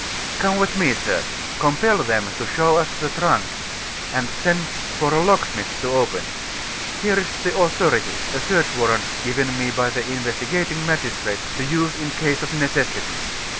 "Come with me, sir; compel them to show us the trunk, and send for a locksmith to open it. Here is the authority a search warrant given me by the investigating magistrate to use in case of necessity.